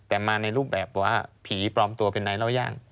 แต่มาในรูปแบบว่าผีปลอมตัวเป็นนายเล่าย่าน